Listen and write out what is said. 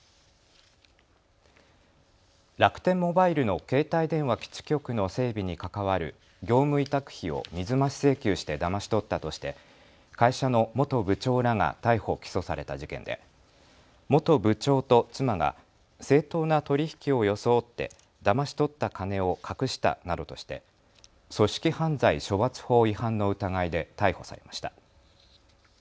楽天モバイルの携帯電話基地局の整備に関わる業務委託費を水増し請求してだまし取ったとして会社の元部長らが逮捕・起訴された事件で元部長と妻が正当な取り引きを装ってだまし取った金を隠したなどとして組織犯罪処罰法違反の疑いで逮捕されました。